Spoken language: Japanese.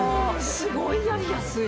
すごいやりやすい。